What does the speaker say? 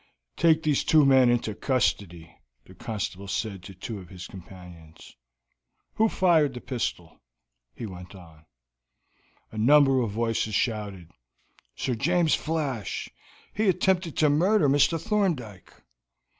"Take those two men into custody," the constable said to two of his companions. "Who fired that pistol?" he went on. A number of voices shouted: "Sir James Flash; he attempted to murder Mr. Thorndyke."